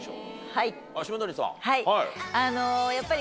はい。